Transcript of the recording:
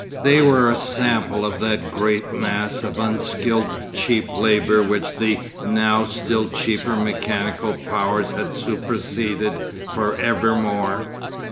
They were a sample of that great mass of unskilled cheap labour which the now still cheaper mechanical powers had superseded for evermore.